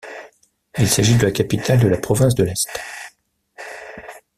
Il s'agit de la capitale de la Province de l'Est.